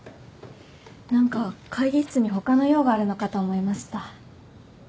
何か会議室に他の用があるのかと思いました。